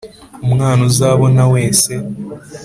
umwana uzabona wese